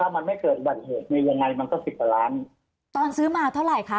มันไม่เกิดอุบัติเหตุเนี่ยยังไงมันก็สิบกว่าล้านตอนซื้อมาเท่าไหร่คะ